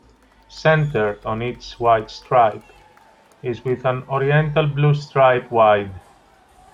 Centered on each white stripe is with an oriental blue stripe wide.